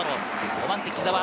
５番手、木澤。